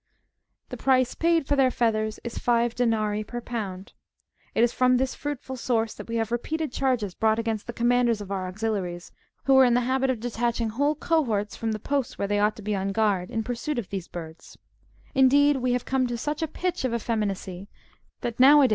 ^ The price paid for their feathers is five denarii per pound. It is from this fruitful source that we have repeated charges brought against the commanders of our auxiliaries, who are in the habit of detaching whole cohorts from the posts where they ought to be on guard, in pursuit of these birds : indeed, we have come to such a pitch of eff'eminacy, that now a days, not even 85 See B.